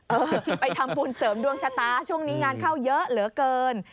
เออไปทำบุญเสริมดวงชะตาช่วงนี้งานเข้าเยอะเหลือเกิน